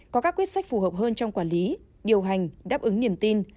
có các quyết sách phù hợp hơn trong quản lý điều hành đáp ứng niềm tin